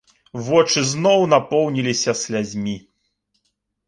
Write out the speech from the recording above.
Вочы зноў напоўніліся слязьмі.